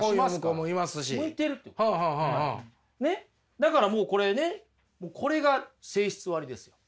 だからもうこれねこれが性質割です。